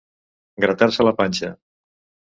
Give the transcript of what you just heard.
Gratar-se la panxa.